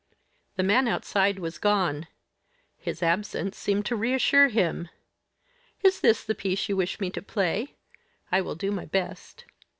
The man outside was gone; his absence seemed to reassure him. "Is this the piece you wish me to play? I will do my best."